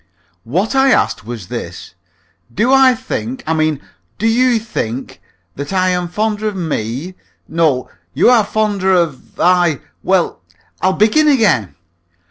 "What I asked was this. Do I think I mean, do you think that I am fonder of me no, you are fonder of I well, I'll begin again.